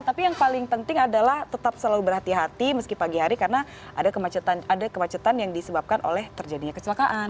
tapi yang paling penting adalah tetap selalu berhati hati meski pagi hari karena ada kemacetan yang disebabkan oleh terjadinya kecelakaan